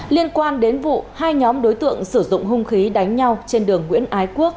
liên quan đến vụ hai nhóm đối tượng sử dụng hung khí đánh nhau trên đường nguyễn ái quốc